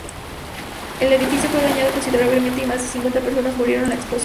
El edificio fue dañado considerablemente, y más de cincuenta personas murieron en la explosión.